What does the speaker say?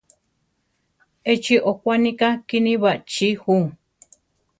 Échi okwaníka kíni baʼchí ju.